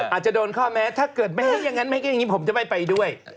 อาจจะโดนข้อแม้ถ้าเกิดแม้อย่างนั้นอย่างนี้ผมจะไม่ไปด้วย